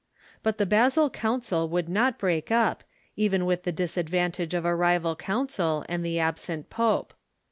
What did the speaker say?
But the Basel Council would not break up, even with the disadvantage of a rival council and the absent pope.